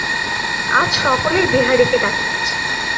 আজ সকলেই বিহারীকে ডাকিতেছে।